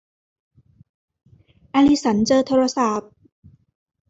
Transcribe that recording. อลิสันเจอโทรศัพท์